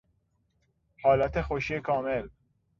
حالت خوشی کامل